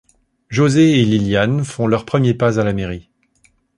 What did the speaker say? José et Liliane font leurs premiers pas à la mairie.